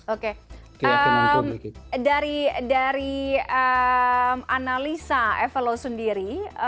oke dari analisa evalo sendiri